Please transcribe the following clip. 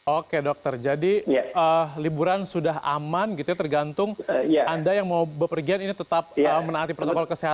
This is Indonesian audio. oke dokter jadi liburan sudah aman gitu ya tergantung anda yang mau berpergian ini tetap menaati protokol kesehatan